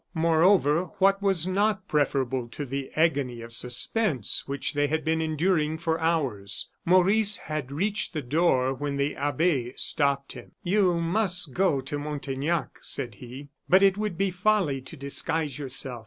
Moreover, what was not preferable to the agony of suspense which they had been enduring for hours? Maurice had reached the door when the abbe stopped him. "You must go to Montaignac," said he, "but it would be folly to disguise yourself.